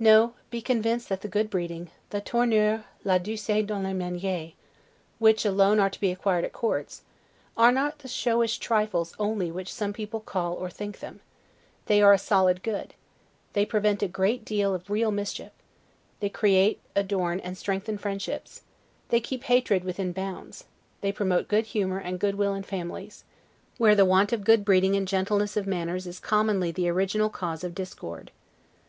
No, be convinced that the good breeding, the 'tournure, la douceur dans les manieres', which alone are to be acquired at courts, are not the showish trifles only which some people call or think them; they are a solid good; they prevent a great deal of real mischief; they create, adorn, and strengthen friendships; they keep hatred within bounds; they promote good humor and good will in families, where the want of good breeding and gentleness of manners is commonly the original cause of discord.